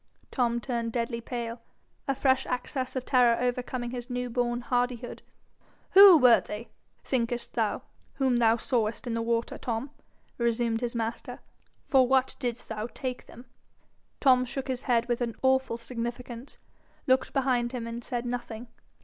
Tom turned deadly pale, a fresh access of terror overcoming his new born hardihood. 'Who were they, thinkest thou, whom thou sawest in the water, Tom?' resumed his master. 'For what didst thou take them?' Tom shook his head with an awful significance, looked behind him, and said nothing.